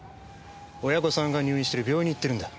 親御さんが入院している病院に行ってるんだ。